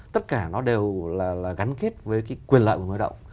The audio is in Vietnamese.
tất cả nó đều là gắn kết với cái quyền lợi của người lao động